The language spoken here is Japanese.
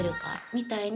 みたいな